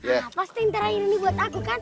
apa setengah ini buat aku kan